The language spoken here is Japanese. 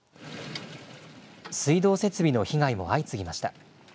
水道設備の被害も相次ぎました。